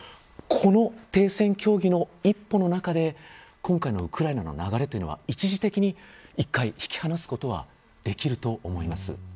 この停戦協議の一歩の中で今回のウクライナの流れというのは一時的に一度引き離すことはできると思います。